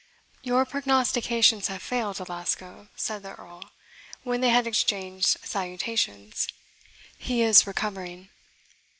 "Your prognostications have failed, Alasco," said the Earl, when they had exchanged salutations "he is recovering."